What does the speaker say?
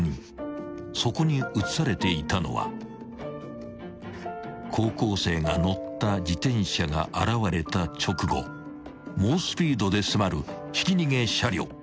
［そこに写されていたのは高校生が乗った自転車が現れた直後猛スピードで迫るひき逃げ車両］